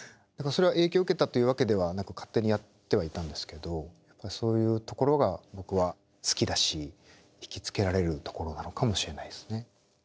それは影響を受けたというわけではなく勝手にやってはいたんですけどそういうところが僕は好きだし引き付けられるところなのかもしれないですね。